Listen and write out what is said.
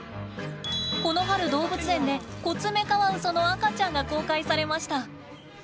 この春、動物園でコツメカワウソの赤ちゃんが公開されました。